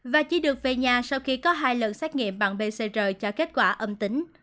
và chỉ được về nhà sau khi có hai lần xét nghiệm bằng pcr cho kết quả âm tính